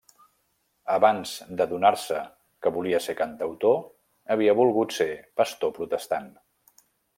Abans d’adonar-se que volia ser cantautor, havia volgut ser pastor protestant.